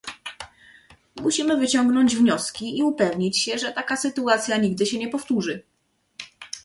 Musimy wyciągnąć wnioski i upewnić się, że taka sytuacja nigdy się nie powtórzy